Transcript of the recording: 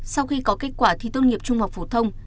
sau khi có kết quả thi tốt nghiệp trung học phổ thông